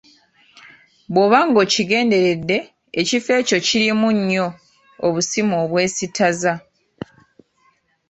Bw'oba ng'okigenderedde ekifo ekyo kirimu nnyo obusimu obwesittaza.